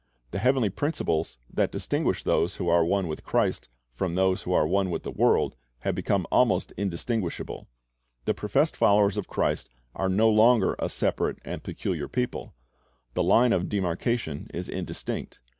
The heavenly principles that distinguish those who are one with Christ from those who are one with the world have become almost indistinguishable. The professed followers of Christ are 3i6 CJirist's Object Lessons no longer a separate and peculiar people. The line of demarcation is indistinct.